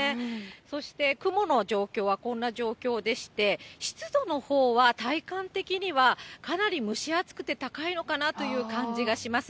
そして雲の状況はこんな状況でして、湿度のほうは、体感的にはかなり蒸し暑くて高いのかなという感じがします。